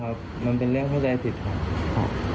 ขอโทษนะครับมันเป็นเรื่องเข้าใจผิดครับ